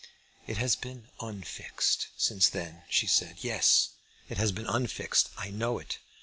"It has been unfixed since then," she said. "Yes; it has been unfixed. I know it.